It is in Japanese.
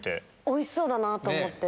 おいしそうだなと思って。